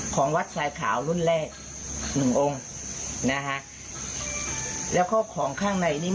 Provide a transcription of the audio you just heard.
ของวัดสายขาวรุ่นแรก๑องค์แล้วก็ของข้างในนี้